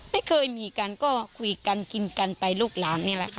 ไม่เคยมีกันก็คุยกันกินกันไปลูกหลานนี่แหละค่ะ